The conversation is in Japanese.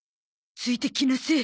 ついてきなせえ。